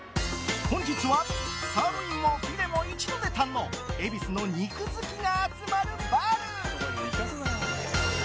本日はサーロインもフィレも一度で堪能恵比寿の肉好きが集まるバル！